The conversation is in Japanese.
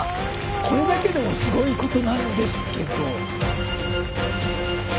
これだけでもすごいことなんですけど。